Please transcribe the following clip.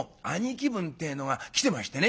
分ってえのが来てましてね」。